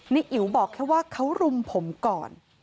อิ๋วบอกแค่ว่าเขารุมผมก่อน